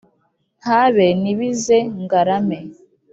Ntabe nibize ngarame.